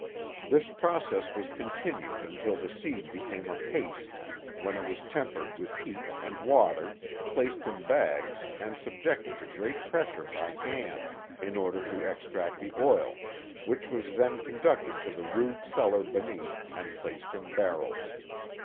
This process was continued until the seed became a paste, when it was tempered with heat and water, placed in bags and subjected to great pressure by hand in order to extract the oil. which was then conducted to the rude cellar beneath and placed in barrels.